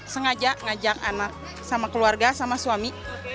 sengaja ngajak anak sama keluarga sama suami